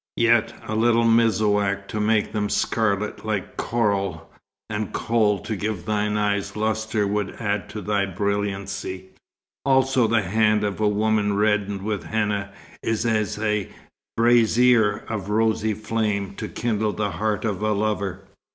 Yet a little messouak to make them scarlet, like coral, and kohl to give thine eyes lustre would add to thy brilliancy. Also the hand of woman reddened with henna is as a brazier of rosy flame to kindle the heart of a lover.